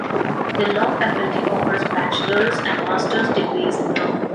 The law faculty offers Bachelor’s and Master’s degrees in law.